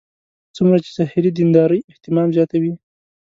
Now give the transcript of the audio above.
څومره چې ظاهري دیندارۍ اهتمام زیاتوي.